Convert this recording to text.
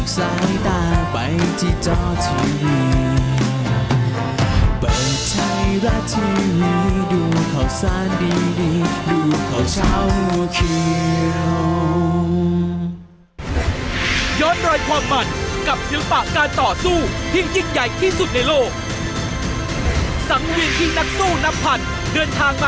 เรื่องรอบขอบสนาม